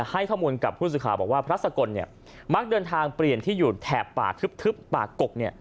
ให้ข้อมูลกับผู้สื่อข่าวบอกว่าพระสกลมักเดินทางเปลี่ยนที่อยู่แถบป่าทึบป่ากก